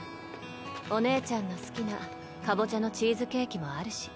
お姉ちゃんの好きなカボチャのチーズケーキもあるし。